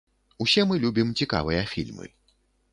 Усе мы любім цікавыя фільмы.